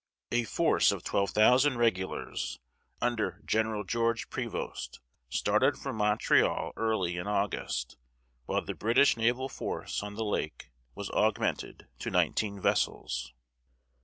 A force of twelve thousand regulars, under General George Prevost, started from Montreal early in August, while the British naval force on the lake was augmented to nineteen vessels.